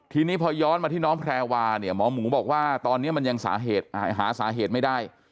ทีนี้พอย้อนมาที่น้องแพรวาเนี่ยหมอหมูบอกว่าตอนนี้มันยังหาสาเหตุไม่ได้